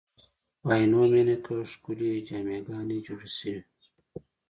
په عینومېنه کې ښکلې جامع ګانې جوړې شوې.